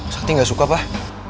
sakti gak suka pak